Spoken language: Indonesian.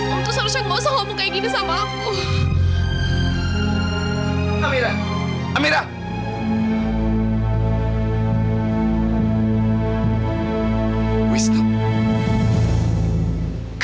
om itu seharusnya tidak perlu ngomong seperti ini ke aku